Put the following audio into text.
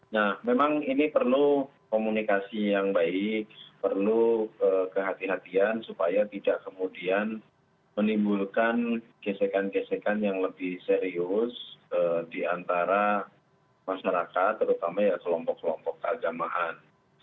nah memang ini perlu komunikasi yang baik perlu kehatian supaya tidak kemudian menimbulkan gesekan gesekan yang lebih serius di antara masyarakat terutama ya kelompok kelompok keagamaan